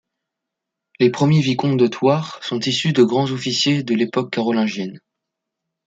Les premiers vicomtes de Thouars sont issus de grands officiers de l'époque carolingienne.